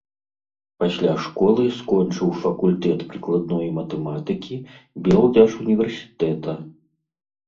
Пасля школы скончыў факультэт прыкладной матэматыкі Белдзяржуніверсітэта.